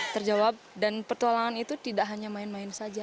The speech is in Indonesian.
terjawab dan petualangan itu tidak hanya main main saja